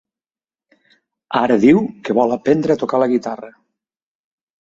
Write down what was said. Ara diu que vol aprendre a tocar la guitarra.